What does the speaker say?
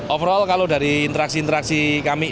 overall kalau dari interaksi interaksi kami